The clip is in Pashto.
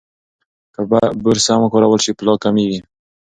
که برس سم وکارول شي، پلاک کمېږي.